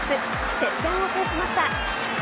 接戦を制しました。